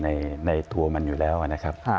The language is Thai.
ในตัวมันอยู่แล้วนะครับ